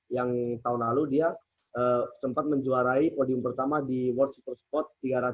yang tahun lalu dia sempat menjuarai podium pertama di world super sport tiga ratus